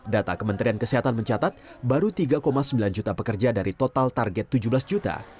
data kementerian kesehatan mencatat baru tiga sembilan juta pekerja dari total target tujuh belas juta